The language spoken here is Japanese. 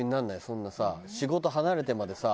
そんなさ仕事離れてまでさ